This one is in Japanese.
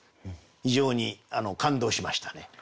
非常に感動しましたね。